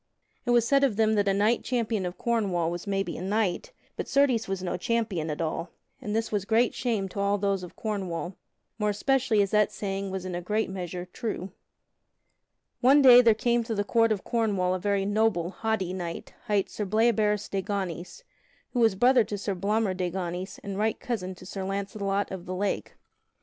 It was said of them that a knight champion of Cornwall was maybe a knight, but certes was no champion at all; and this was great shame to all those of Cornwall, more especially as that saying was in a great measure true. [Sidenote: Sir Bleoberis comes to Cornwall] One day there came to the court of Cornwall a very noble, haughty knight, hight Sir Bleoberis de Ganys, who was brother to Sir Blamor de Ganys and right cousin to Sir Launcelot of the Lake.